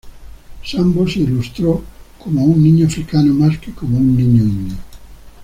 Sambo se ilustró como a un niño africano más que como un niño indio.